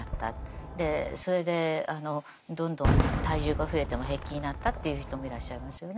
それでどんどん体重が増えても平気になったっていう人もいらっしゃいますよね。